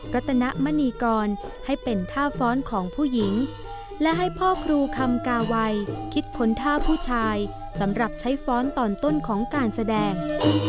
รัตนมณีกรให้เป็นท่าฟ้อนของผู้หญิงและให้พ่อครูคำกาวัยคิดค้นท่าผู้ชายสำหรับใช้ฟ้อนตอนต้นของการแสดง